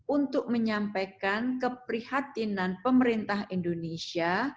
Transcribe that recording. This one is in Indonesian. untuk menyampaikan keprihatinan pemerintah indonesia